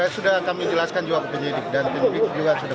sudah kami jelaskan juga ke penyidik dan penyidik juga sudah